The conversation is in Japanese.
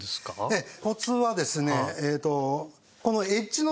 ええ！